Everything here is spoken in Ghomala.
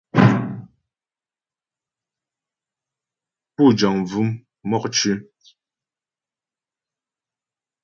Pú jəŋ bvʉ̂m mɔkcʉ̌.